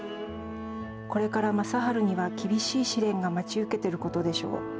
これから雅治には厳しい試練が待ち受けていることでしょう。